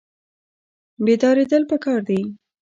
بیداریدل پکار دي